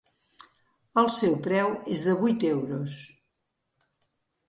El seu preu és de vuit euros.